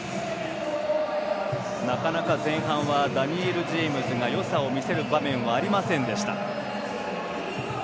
なかなか、前半はダニエル・ジェームズがよさを見せる場面がありませんでした。